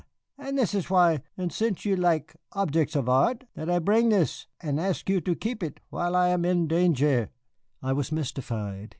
And this is why, and sence you laik objects of art, that I bring this and ask you keep it while I am in dangere." I was mystified.